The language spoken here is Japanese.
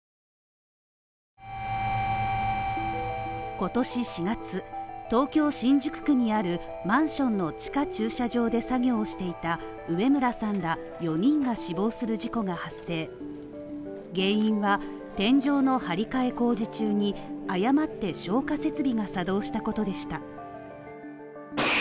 今年４月、東京新宿区にあるマンションの地下駐車場で作業していた上邨さんら４人が死亡する事故が発生原因は、現状の張り替え工事中に誤って消火設備が作動したことでした。